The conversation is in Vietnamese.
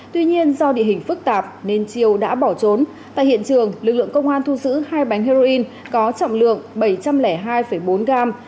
tuy nhiên do địa hình phức tạp nên triều đã bỏ trốn tại hiện trường lực lượng công an thu giữ hai bánh heroin có trọng lượng bảy trăm linh hai bốn gram